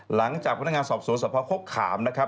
หลังจากพนักงานสอบสวนสภโคกขามนะครับ